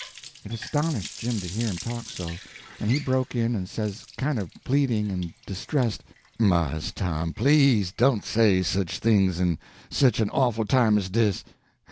It astonished Jim to hear him talk so, and he broke in and says, kind of pleading and distressed: "Mars Tom, please don't say sich things in sich an awful time as dis.